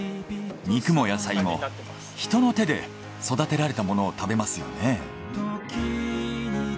肉も野菜も人の手で育てられたものを食べますよね？